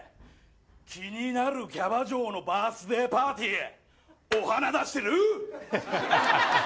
気になるキャバ嬢のバースデーパーティーお花出してる。